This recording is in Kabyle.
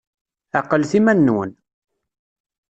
Ɛqlet iman-nwen!